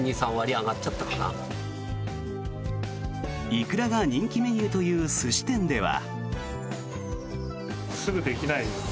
イクラが人気メニューという寿司店では。